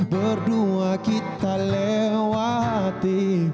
berdua kita lewati